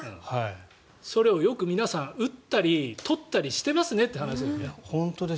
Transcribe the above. それをよく皆さん打ったりとったりしてますよねということです。